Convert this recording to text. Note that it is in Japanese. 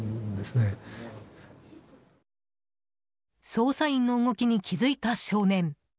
捜査員の動きに気付いた少年。